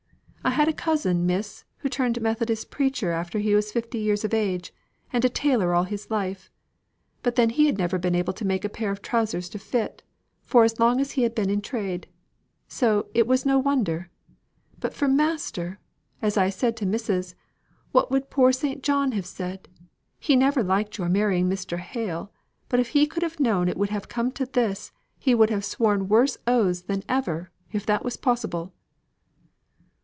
I had a cousin, miss, who turned Methodist preacher after he was fifty years of age, and a tailor all his life; but then he had never been able to make a pair of trousers to fit, for as long as he had been in the trade, so it was no wonder; but for master! as I said to missus, 'What would poor Sir John have said? he never liked your marrying Mr. Hale, but if he could have known it would have come to this, he would have sworn worse oaths than ever, if that was possible!